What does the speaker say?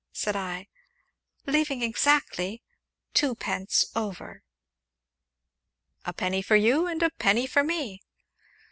said I. "Leaving exactly twopence over." "A penny for you, and a penny for me."